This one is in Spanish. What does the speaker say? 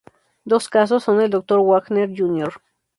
Dos casos son el de Dr. Wagner, Jr.